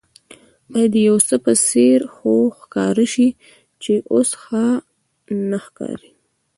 باید د یوڅه په څېر خو ښکاره شي چې اوس ښه نه ښکاري.